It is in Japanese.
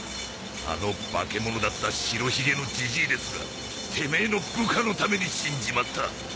あの化け物だった白ひげのジジイですらてめえの部下のために死んじまった。